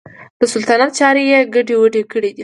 د سلطنت چارې یې ګډې وډې کړي دي.